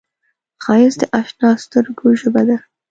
ښایست د اشنا سترګو ژبه ده